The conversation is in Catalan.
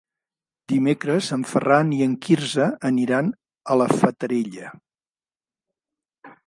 Dimecres en Ferran i en Quirze aniran a la Fatarella.